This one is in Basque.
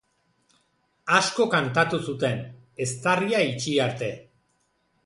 Asko kantatu zuten, eztarria itxi arte.